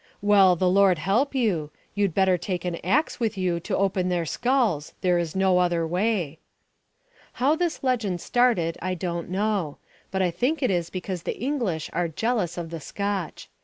"Well, the Lord help you. You'd better take an axe with you to open their skulls; there is no other way." How this legend started I don't know, but I think it is because the English are jealous of the Scotch.